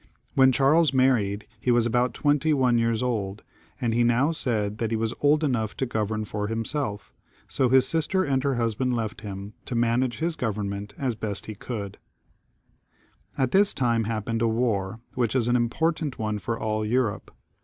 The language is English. When Charles married he was about twenty one years old, and he now said that he was old enough to govern for himself, so his sister and her husband went to live in their own province as private people, and left him to manage his government as best he could. At this time happened a war, which was an important one for all Europe.